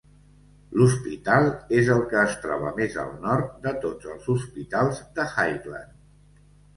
L'hospital és el que es troba més al nord de tots els hospitals de Highland.